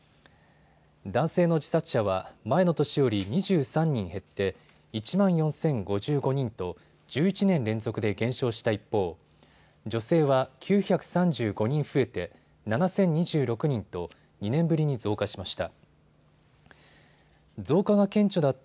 男性の自殺者は前の年より２３人減って、１万４０５５人と１１年連続で減少した一方、女性は９３５人増えて７０２６人と２年ぶりに増加しました。